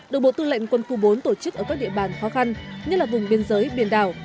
được bộ tư lệnh quân khu bốn tổ chức ở các địa bàn khó khăn như là vùng biên giới biển đảo